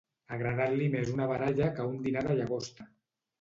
Agradar-li més una baralla que un dinar de llagosta.